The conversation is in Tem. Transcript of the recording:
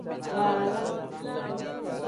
Waala.